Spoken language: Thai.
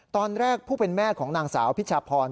ตอนแรกผู้เป็นแม่ของนางสาวพิชาพร